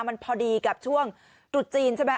มันพอดีกับช่วงตรุษจีนใช่ไหม